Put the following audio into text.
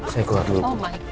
saya keluar dulu